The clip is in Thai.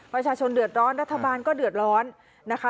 ประชาชนเดือดร้อนรัฐบาลก็เดือดร้อนนะคะ